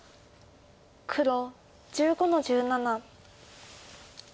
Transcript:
黒１５の十七。